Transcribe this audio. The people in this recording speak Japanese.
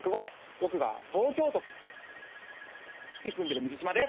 僕が東京都。に住んでる水島です！